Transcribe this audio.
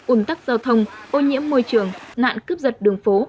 ủn tắc giao thông ô nhiễm môi trường nạn cướp giật đường phố